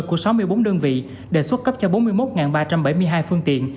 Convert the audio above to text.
của sáu mươi bốn đơn vị đề xuất cấp cho bốn mươi một ba trăm bảy mươi hai phương tiện